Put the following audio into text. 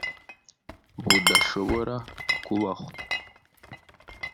budashobora kubaho